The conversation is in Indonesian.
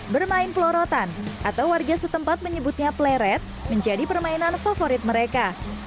bermain pelorotan atau warga setempat menyebutnya pleret menjadi permainan favorit mereka